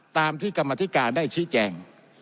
ตามที่กรรมธิการได้ชี้แจง